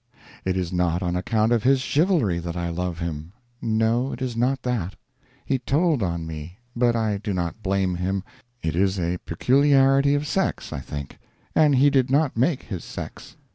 It is not on account of his chivalry that I love him no, it is not that. He told on me, but I do not blame him; it is a peculiarity of sex, I think, and he did not make his sex.